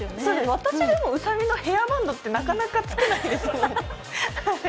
私でもうさぎのヘアバンドってなかなかつけないですよね。